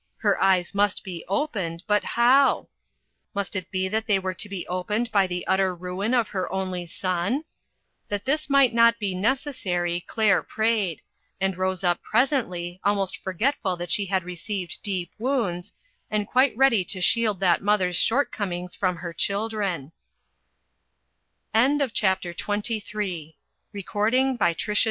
Her eyes must be opened, but how? Must it be that they were to be opened by the utter ruin of her only son ? That this might not be necessary, Claire prayed, and rqse up presently, almost for getful that she had received deep wounds, and quite ready to shield that mother's shortcomings